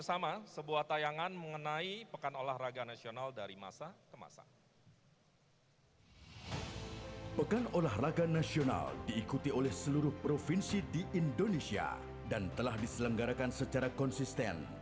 pekan olahraga nasional diikuti oleh seluruh provinsi di indonesia dan telah diselenggarakan secara konsisten